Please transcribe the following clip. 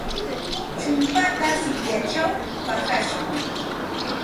Chumpata sikyachaw paqashun.